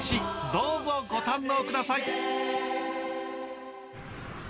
どうぞご堪能ください！